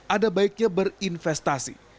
ada baiknya berinvestasi